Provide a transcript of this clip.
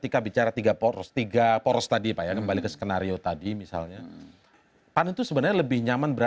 kita sebut sajalah